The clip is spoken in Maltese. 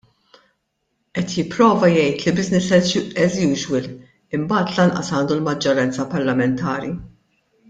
Qed jipprova jgħid li business as usual imbagħad lanqas għandu l-maġġoranza parlamentari.